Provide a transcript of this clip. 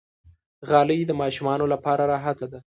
غالۍ د ماشومانو لپاره راحته ده.